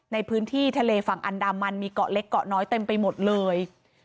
ในพื้นที่ทะเลฝั่งอันดามันมีเกาะเล็กเกาะน้อยเต็มไปหมดเลย